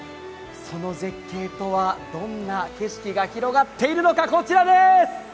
その絶景とはどんな景色が広がっているのか、こちらです！